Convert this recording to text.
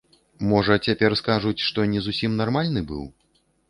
Можа, цяпер скажуць, што не зусім нармальны быў?